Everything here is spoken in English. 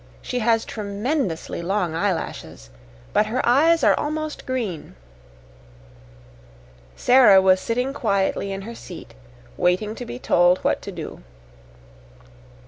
She has tremendously long eyelashes, but her eyes are almost green." Sara was sitting quietly in her seat, waiting to be told what to do.